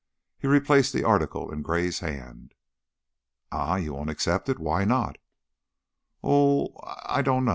He replaced the article in Gray's hand. "Eh? Won't you accept it? Why not?" "I Oh, I dunno."